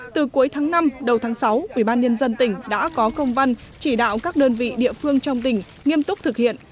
từ cuối tháng năm đầu tháng sáu ubnd tỉnh đã có công văn chỉ đạo các đơn vị địa phương trong tỉnh nghiêm túc thực hiện